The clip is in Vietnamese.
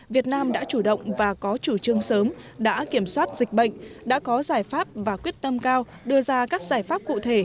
việt nam đã chủ động và có chủ trương sớm đã kiểm soát dịch bệnh đã có giải pháp và quyết tâm cao đưa ra các giải pháp cụ thể